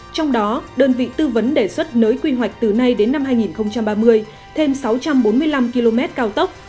trong đó đơn vị tư vấn đề xuất nới quy hoạch từ nay đến năm hai nghìn ba mươi thêm sáu trăm bốn mươi năm km cao tốc